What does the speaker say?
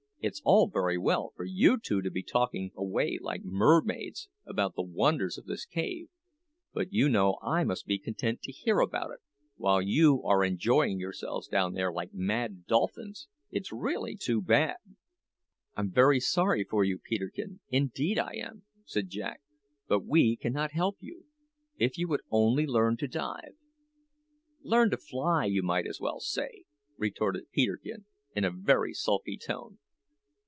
"It's all very well for you two to be talking away like mermaids about the wonders of this cave; but you know I must be content to hear about it, while you are enjoying yourselves down there like mad dolphins. It's really too bad!" "I'm very sorry for you, Peterkin indeed I am," said Jack; "but we cannot help you. If you would only learn to dive " "Learn to fly, you might as well say!" retorted Peterkin in a very sulky tone.